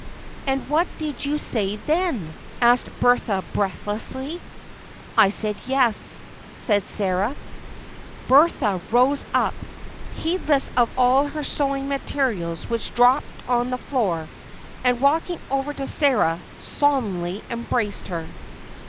"And what did you say then?" asked Bertha breathlessly. "I said yes," said Sarah. Bertha rose up, heedless of all her sewing materials, which dropped on the floor, and walking over to Sarah, solemnly embraced her.